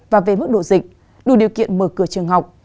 và về mức độ dịch đủ điều kiện mở cửa trường học